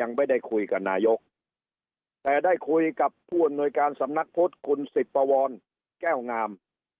ยังไม่ได้คุยกับนายกแต่ได้คุยกับผู้อำนวยการสำนักพุทธคุณสิบปวรแก้วงาม